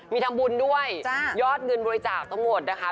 มีทำบุญด้วยยอดเงินบริจาคทั้งหมดนะคะ